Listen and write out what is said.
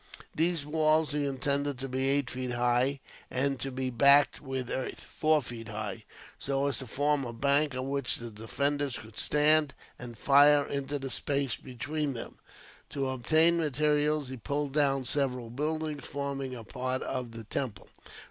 These walls he intended to be eight feet high; and to be backed with earth, four feet high, so as to form a bank on which the defenders could stand, and fire into the space between them. To obtain materials, he pulled down several buildings forming a part of the temple.